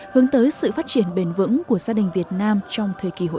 hướng tới sự phát triển bền vững